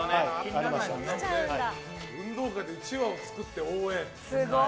運動会でうちわを作って応援。